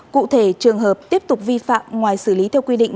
cụ thể trường hợp tiếp tục vi phạm ngoài xử lý theo quy định